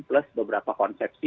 plus beberapa konsepsi